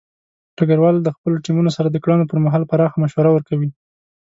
ډګروال د خپلو ټیمونو سره د کړنو پر مهال پراخه مشوره ورکوي.